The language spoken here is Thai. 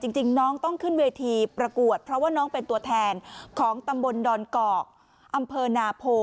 จริงน้องต้องขึ้นเวทีประกวดเพราะว่าน้องเป็นตัวแทนของตำบลดอนกอกอำเภอนาโพ